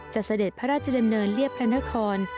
เสด็จพระราชดำเนินเรียบพระนคร